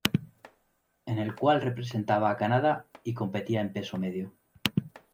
En el cual representaba a Canadá y competía en peso medio.